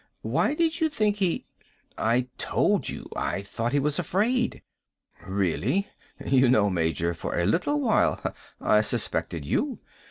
Why did you think he " "I told you. I thought he was afraid." "Really? You know, Major, for a little while I suspected you.